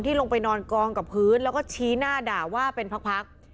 ลงไปนอนกองกับพื้นแล้วก็ชี้หน้าด่าว่าเป็นพัก